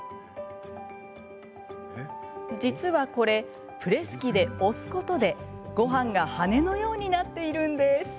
実はこれプレス機で押すことでごはんが羽根のようになっているんです。